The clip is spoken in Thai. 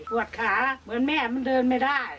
ปวดขาเหมือนแม่มันเดินไม่ได้